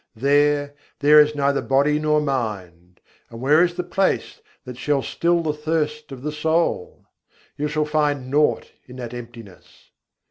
There, there is neither body nor mind: and where is the place that shall still the thirst of the soul? You shall find naught in that emptiness.